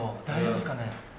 大丈夫ですかね？